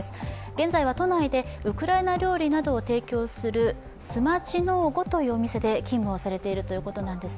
現在は都内でウクライナ料理などを提供するスマチノーゴというお店で勤務をされているということです。